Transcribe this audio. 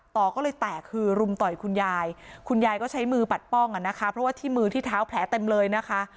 ต่อก็เลยแตกคือรุมต่อยคุณยายคุณยายก็ใช้มือปัดป้องอ่ะนะคะเพราะว่าที่มือที่เท้าแผลเต็มเลยนะคะ